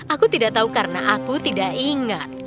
aku tidak tahu karena aku tidak ingat